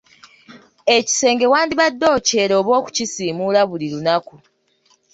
Ekisenge wandibadde okyera oba okukisiimuula buli lunaku.